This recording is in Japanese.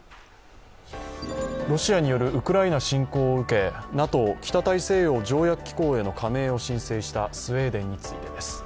ロシアによるウクライナ侵攻を受け、ＮＡＴＯ＝北大西洋条約機構への加盟を申請したスウェーデンについてです。